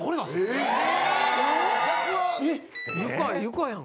床やん。